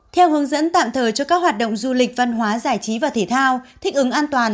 theo hướng dẫn tạm thời cho các hoạt động du lịch văn hóa giải trí và thể thao thích ứng an toàn